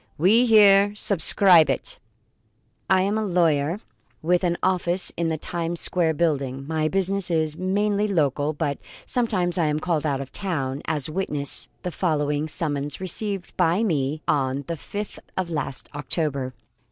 We here subscribe it: I am a lawyer with an office in the Times Square Building. My business is mainly local, but sometimes I am called out of town, as witness the following summons received by me on the fifth of last October.